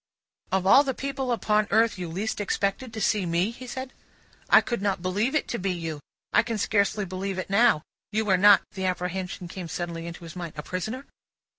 "Of all the people upon earth, you least expected to see me?" he said. "I could not believe it to be you. I can scarcely believe it now. You are not" the apprehension came suddenly into his mind "a prisoner?"